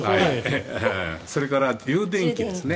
それから充電器ですね。